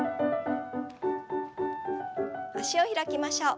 脚を開きましょう。